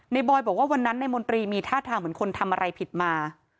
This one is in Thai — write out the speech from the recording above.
บอยบอกว่าวันนั้นในมนตรีมีท่าทางเหมือนคนทำอะไรผิดมา